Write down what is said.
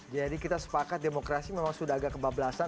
jadi kita sepakat demokrasi memang sudah agak kebablasan